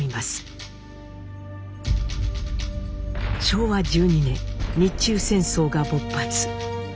昭和１２年日中戦争が勃発。